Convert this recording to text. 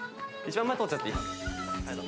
一番前通っちゃっていい？